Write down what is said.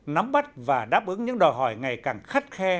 nắm bắt và đáp ứng những đòi hỏi ngày càng khắt khe